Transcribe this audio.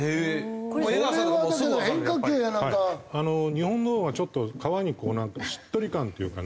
日本のほうがちょっと革にしっとり感というかね